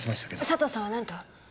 佐藤さんはなんと？